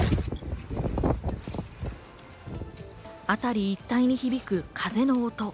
辺り一帯に響く風の音。